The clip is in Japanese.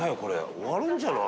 終わるんじゃない？